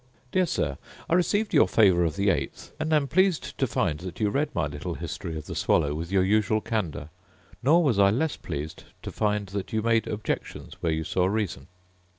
Dear Sir, I received your favour of the eighth, and am pleased to find that you read my little history of the swallow with your usual candour: nor was I less pleased to find that you made objections where you saw reason.